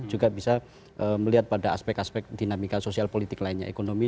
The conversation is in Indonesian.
juga bisa melihat pada aspek aspek dinamika sosial politik lainnya ekonomi